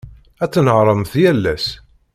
Ad tnehhṛemt yal ass.